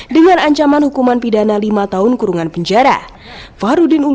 dengan ancaman hukuman pidana lima tahun kurungan penjara